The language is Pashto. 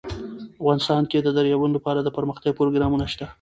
افغانستان کې د دریابونه لپاره دپرمختیا پروګرامونه شته.